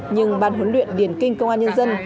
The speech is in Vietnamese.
nhưng ban huấn luyện điển kinh công an nhân dân